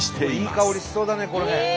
いい香りしそうだねこれ。